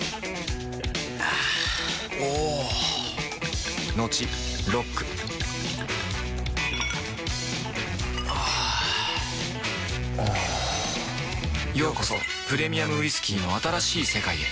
あぁおぉトクトクあぁおぉようこそプレミアムウイスキーの新しい世界へ